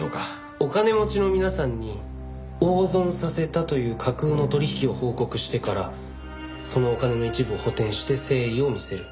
お金持ちの皆さんに大損させたという架空の取引を報告してからそのお金の一部を補填して誠意を見せる。